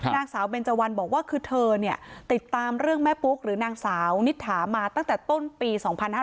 นางสาวเบนเจวันบอกว่าคือเธอเนี่ยติดตามเรื่องแม่ปุ๊กหรือนางสาวนิถามาตั้งแต่ต้นปี๒๕๕๙